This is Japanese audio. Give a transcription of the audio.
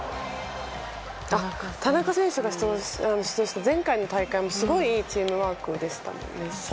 田中選手が出場した前回の大会もすごいいいチームワークでしたよね。